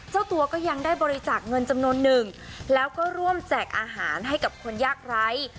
เจ้าตัวก็ยังได้บริจาคเงินจำนวนหนึ่งแล้วก็ร่วมแจกอาหารให้กับคนยากไร้